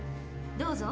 どうぞ。